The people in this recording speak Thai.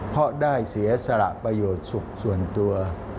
เพราะได้เสียสละประโยชน์สุขส่วนตัว